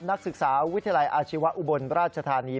นักศึกษาวิทยาลัยอาชีวะอุบลราชธานี